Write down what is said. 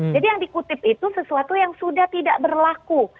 jadi yang dikutip itu sesuatu yang sudah tidak berlaku